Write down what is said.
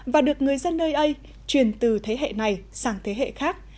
và được người dân nơi đây truyền từ thế hệ này sang thế hệ khác